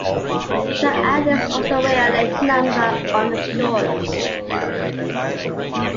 Track athletes also wear a lane number on the shorts.